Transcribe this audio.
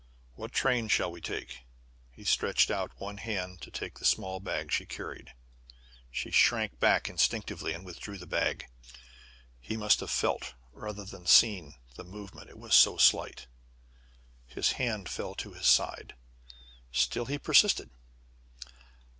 What train shall we take?" He stretched out one hand to take the small bag she carried. She shrank back instinctively, and withdrew the bag. He must have felt rather than seen the movement, it was so slight. His hand fell to his side. Still, he persisted.